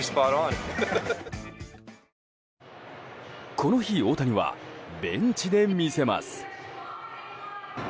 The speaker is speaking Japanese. この日、大谷はベンチで見せます。